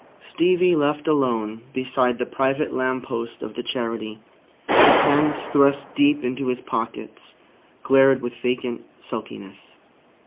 Stevie left alone beside the private lamp post of the Charity, his hands thrust deep into his pockets, glared with vacant sulkiness.